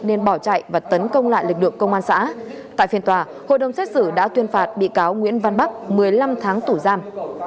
nên bỏ chạy và tấn công lại lực lượng công an xã tại phiên tòa hội đồng xét xử đã tuyên phạt bị cáo nguyễn văn bắc một mươi năm tháng tù giam